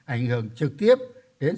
ảnh hưởng trực tiếp đến